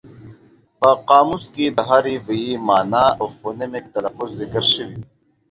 په قاموس کې د هر ویي مانا او فونیمک تلفظ ذکر شوی وي.